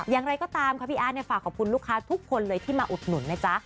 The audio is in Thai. อย่างไรก็ตามค่ะพี่อาร์ตฝากขอบคุณลูกค้าทุกคนเลยที่มาอุดหนุนนะจ๊ะ